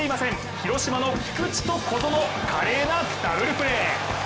広島の菊池と小園、華麗なダブルプレー。